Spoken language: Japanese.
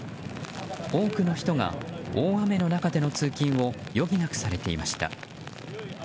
多くの人が大雨の中での通勤を余儀なくされていました。